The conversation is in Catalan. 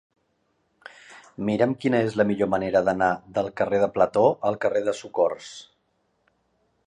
Mira'm quina és la millor manera d'anar del carrer de Plató al carrer del Socors.